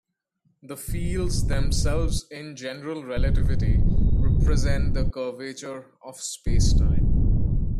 The fields themselves in general relativity represent the curvature of spacetime.